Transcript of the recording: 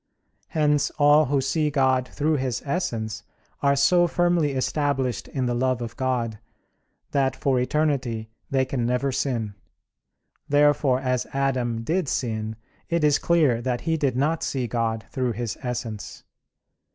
Hence all who see God through His Essence are so firmly established in the love of God, that for eternity they can never sin. Therefore, as Adam did sin, it is clear that he did not see God through His Essence.